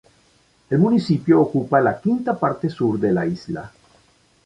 El municipio ocupa la quinta parte sur de la isla.